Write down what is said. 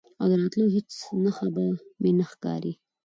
او د راتلو هیڅ نښه به مې نه ښکاري،